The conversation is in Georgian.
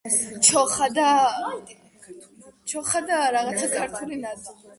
ჩოხა და რაღაცა ქართული ნადუღი.